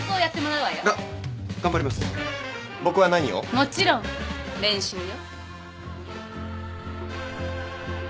もちろん練習よ。